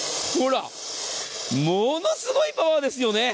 ものすごいパワーですよね。